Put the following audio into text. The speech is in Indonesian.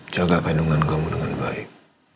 jaga kandungan kamu dengan baik